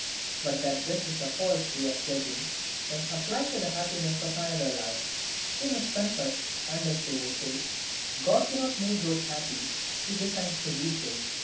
But that this is a false way of judging, when applied to the happiness of another life, they must confess; unless they will say, God cannot make those happy he designs to be so.